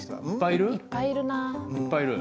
いっぱいいる？